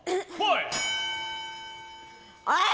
おい！